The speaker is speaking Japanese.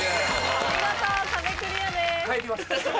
見事壁クリアです。